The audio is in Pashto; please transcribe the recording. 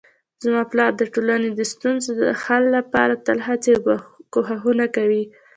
زما پلار د ټولنې د ستونزو د حل لپاره تل هڅې او کوښښونه کوي